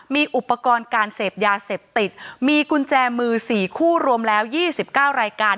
มีอุปกรณ์การเสพยาเสพติดมีกุญแจมือ๔คู่รวมแล้ว๒๙รายการ